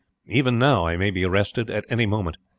Even now I may be arrested at any moment.